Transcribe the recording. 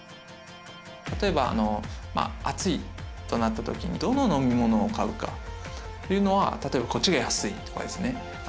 例えば暑いとなった時にどの飲み物を買うかというのは例えばこっちが安いとかですね